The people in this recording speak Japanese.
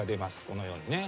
このようにね。